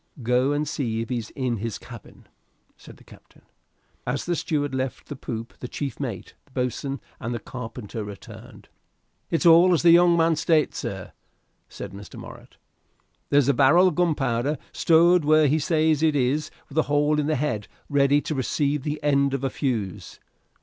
"Go and see if he's in his cabin," said the captain. As the steward left the poop the chief mate, the boatswain, and carpenter returned. "It's as the young man states, sir," said Mr. Morritt. "There's a barrel of gunpowder stowed where he says it is with a hole in the head ready to receive the end of a fuse."